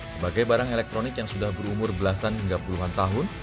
sebagai barang elektronik yang sudah berumur belasan hingga puluhan tahun